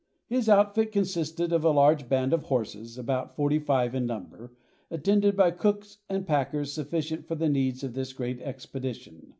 His outfit consisted of a large band of horses, about forty five in number, attended by cooks and packers sufficient for the needs of this great expedition.